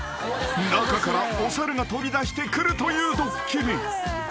［中からお猿が飛び出してくるというドッキリ］